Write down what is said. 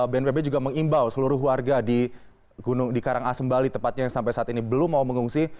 bnpb juga mengimbau seluruh warga di karangasem bali tepatnya yang sampai saat ini belum mau mengungsi